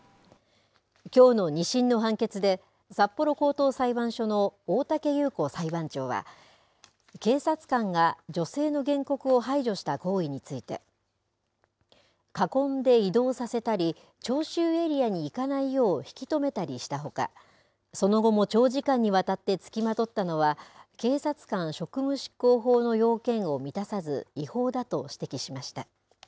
きょうの２審の判決で札幌高等裁判所の大竹優子裁判長は警察官が女性の原告を排除した行為について囲んで移動させたり聴衆エリアに行かないよう引き止めたりしたほかその後も長時間にわたってつきまとったのは警察官職務執行法の要件を満たさず違法だと指摘しました。